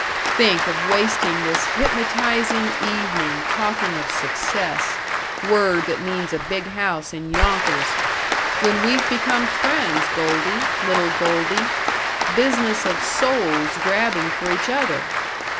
"Think of wasting this hypnotizing evening talking of success word that means a big house in Yonkers! When we've become friends, Goldie, little Goldie. Business of souls grabbing for each other!